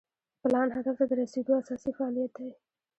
پلان هدف ته د رسیدو اساسي فعالیت دی.